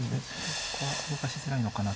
ここは動かしづらいのかなと思ってました。